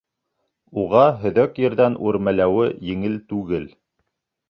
Уға һөҙәк ерҙән үрмәләүе еңел түгел.